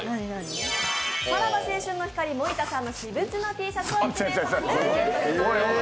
さらば青春の光、森田さんの私物のＴシャツをプレゼントいたします。